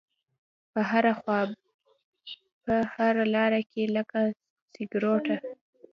په هره خواپه هره لاره لکه سره سکروټه